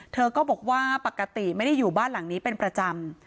เธอก็บอกว่าปกติไม่ได้อยู่บ้านหลังนี้เป็นประจำ